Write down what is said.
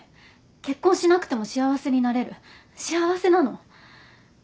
結婚しなくても幸せになれる幸せなの。